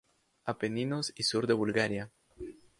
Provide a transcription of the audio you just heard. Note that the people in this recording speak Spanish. Apeninos y sur de Bulgaria.